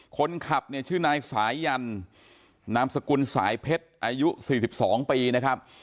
คนขับเนี่ยชื่อนายสายันนามสกุลสายเพชรอายุ๔๒ปีนะครับ